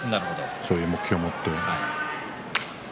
そういう目標を持って。